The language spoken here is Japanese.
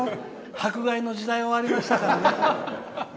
迫害の時代は終わりましたよ！